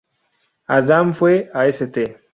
Adam fue a St.